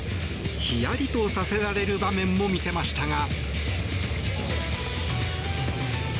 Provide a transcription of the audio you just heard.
ヒヤリとさせられる場面も見せましたが。